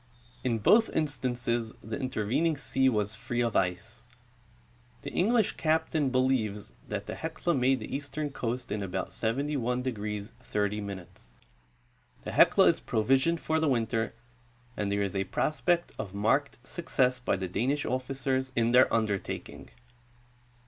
In both instances the intervening sea Avas free of ice. The English captain believes that the Helia made the eastern coast in about 71° 30'. The Helia is provisioned for the winte'r, and there is a prospect of marked success by the Danish officers in their undertaking.